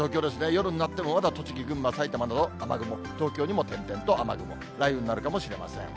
夜になっても、まだ栃木、群馬、さいたまなど、雨雲、東京にも点々と雨雲、雷雨になるかもしれません。